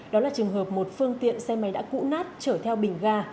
đó là trường hợp một phương tiện xe máy đã cũ nát chở theo bình ga